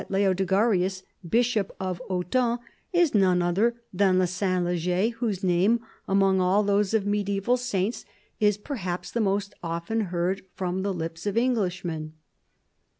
Leodegarius, Bishop of Autun, is none other than tlie St. Leger whose name, among all those of mediaeval saints, is perhaps the most often heard from the lips of Englishmen.